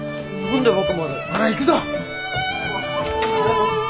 ほら行くぞ！